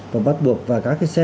và bắt buộc và các cái xe